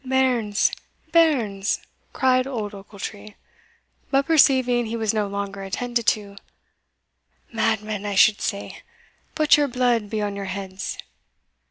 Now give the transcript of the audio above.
"Bairns! bairns!" cried old Ochiltree; but perceiving he was no longer attended to "Madmen, I should say but your blood be on your heads!"